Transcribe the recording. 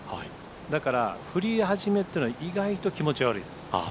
だから降り始めってのは意外と気持ち悪いです。